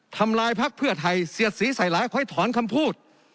ทำลายภักดิ์เพื่อไทยเสียดศรีใส่ร้ายขอให้ถอนคำพูด